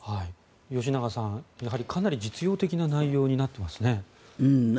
吉永さん、やはりかなり実用的な内容になっていますね。